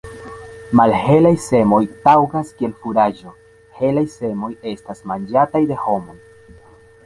Malhelaj semoj taŭgas kiel furaĝo, helaj semoj estas manĝataj de homoj.